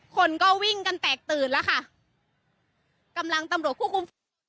คนก็วิ่งกันแตกตื่นแล้วค่ะกำลังตำรวจควบคุม